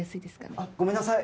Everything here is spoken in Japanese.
あっごめんなさい